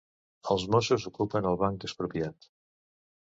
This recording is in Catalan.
Els mossos ocupen el Banc Expropiat